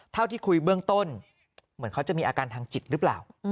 เท่าที่คุยเบื้องต้นเหมือนเขาจะมีอาการทางจิตหรือเปล่า